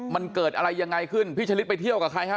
มันเกิดอะไรยังไงขึ้นพี่ชะลิดไปเที่ยวกับใครฮะ